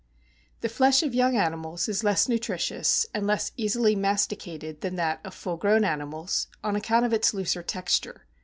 The flesh of young animals is less nutritious, and less easily masticated than that of full grown animals, on account of its looser texture.